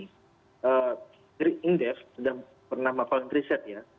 jadi indef dan pernah mbak fahim triset ya